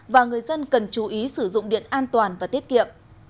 và người dân cần chú ý sử dụng điện an toàn và tiết kiệm